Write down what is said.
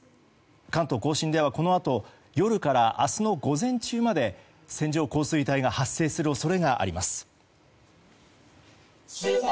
関東・甲信ではこのあと夜から明日の午前中まで線状降水帯が発生する恐れがあります。